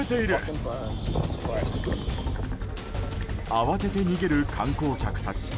慌てて逃げる観光客たち。